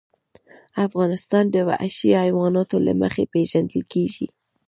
افغانستان د وحشي حیواناتو له مخې پېژندل کېږي.